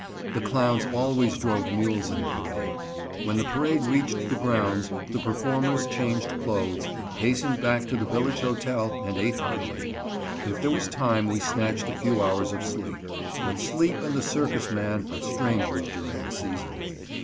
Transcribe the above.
The clowns always drove mules in the parade. When the parade reached the grounds, the performers changed clothes, hastened back to the village hotel, and ate heartily. If there was time, we snatched a few hours of sleep. But sleep and the circus man are strangers during the season.